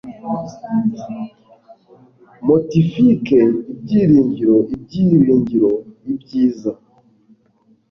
motifike, ibyiringiro, ibyiringiro, ibyiza